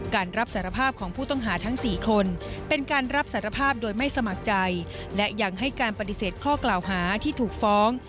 การรับสารภาพของผู้ต้องหาทั้ง๔คนเป็นการรับสารภาพโดยไม่สมัครใจและยังให้การปฏิเสธข้อกล่าวหาที่ถูกฟ้อง